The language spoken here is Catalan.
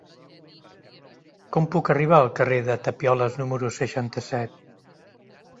Com puc arribar al carrer de Tapioles número seixanta-set?